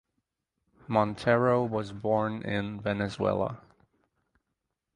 Montero was born in Venezuela.